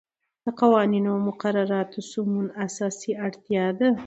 د قوانینو او مقرراتو سمون اساسی اړتیا ده.